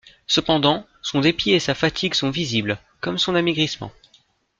Cependant, son dépit et sa fatigue sont visibles, comme son amaigrissement.